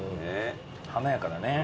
華やかだね。